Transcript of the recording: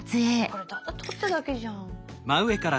これただ撮っただけじゃん。